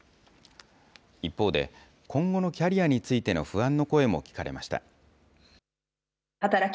一方で、今後のキャリアについての不安の声も聞かれました。